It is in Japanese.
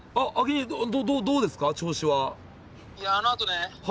兄どうですか調子は？